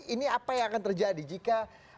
ini apa yang akan terjadi jika